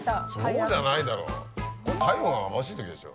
そうじゃないだろこれ太陽がまぶしい時でしょ。